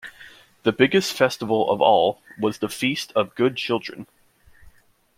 The biggest festival of all was the Feast of Good Children.